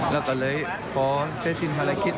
แล้วตัดเลยก็เซศิลป์พลกิศ